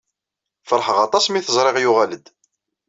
Feṛḥeɣ aṭas mi t-ẓriɣ yuɣal-d.